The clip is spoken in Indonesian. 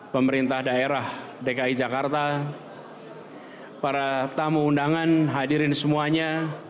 pemerintah daerah dki jakarta para tamu undangan hadirin semuanya